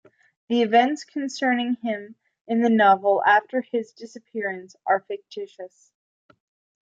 The events concerning him in the novel after his disappearance are fictitious.